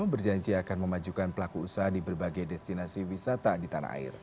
berjanji akan memajukan pelaku usaha di berbagai destinasi wisata di tanah air